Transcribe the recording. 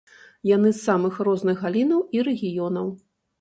Яны з самых розных галінаў і рэгіёнаў.